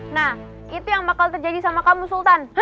nah itu yang bakal terjadi sama kamu sultan